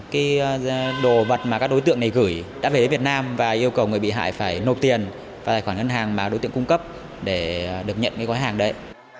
cái đồ vật mà các đối tượng này gửi đã về đến việt nam và yêu cầu người bị hại phải nộp tiền vào tài khoản ngân hàng mà đối tượng cung cấp để được nhận cái quán hàng đấy